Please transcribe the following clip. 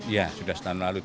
ya sudah setahun lalu